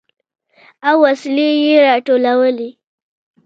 او وسلې يې راټولولې.